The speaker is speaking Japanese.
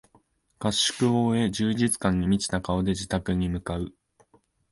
合宿を終え充実感に満ちた顔で自宅に向かう